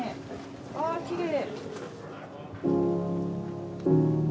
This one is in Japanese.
あきれい。